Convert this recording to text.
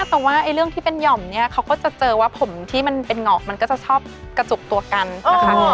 แต่ว่าเรื่องที่เป็นหย่อมเนี่ยเขาก็จะเจอว่าผมที่มันเป็นเหงาะมันก็จะชอบกระจุกตัวกันนะคะ